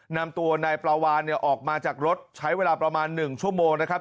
นำตัวนายปลาวานเนี่ยออกมาจากรถใช้เวลาประมาณ๑ชั่วโมงนะครับ